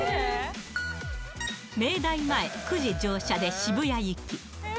明大前９時乗車で渋谷行き。